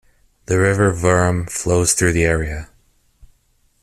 The river Wurm flows through the area.